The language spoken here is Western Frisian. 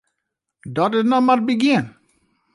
Dit is noch mar it begjin.